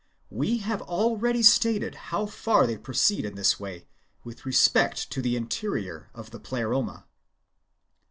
We have already stated how far they proceed in this way with respect to the interior of the Pleroma.